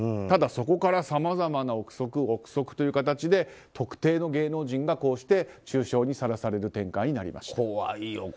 ただ、そこからさまざまな憶測、憶測という形で特定の芸能人がこうして中傷にさらされる展開になりました。